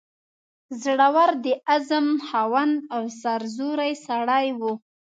زړه ور، د عزم خاوند او سرزوری سړی وو.